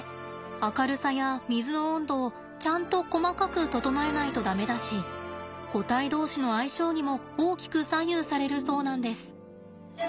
明るさや水の温度をちゃんと細かく整えないと駄目だし個体同士の相性にも大きく左右されるそうなんです。